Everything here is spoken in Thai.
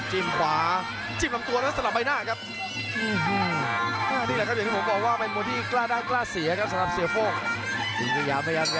ขวาจิ้มลำตัวแล้วสลับใบหน้าครับ